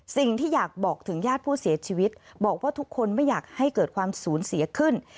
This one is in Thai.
สิ่งที่อยากบอกถึงญาติผู้เสียชีวิตบอกว่าทุกคนไม่อยากให้เกิดความสูญเสียขึ้น